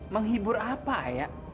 menghibur apa ayah